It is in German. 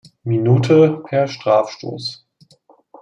Minute per Strafstoß.